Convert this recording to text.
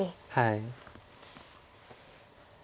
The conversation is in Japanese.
はい。